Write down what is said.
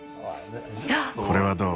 これはどう？